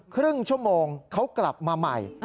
ครึ่งชั่วโมงเขากลับมาใหม่